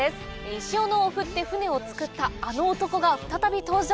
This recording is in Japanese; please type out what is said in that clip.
石斧を振って舟を造ったあの男が再び登場。